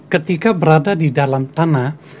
ketika berada di dalam tanah